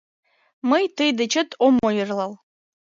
Мый тый дечет ом ойырлал.